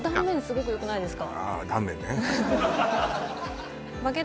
すごくよくないですか？